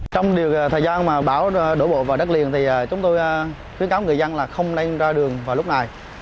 trong điều thời gian mà bão đổ bộ vào đất liền thì chúng tôi khuyến cáo người dân là không nên ra đường vào lúc này